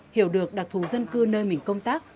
hiểu được đặc thù dân cư nơi mình công tác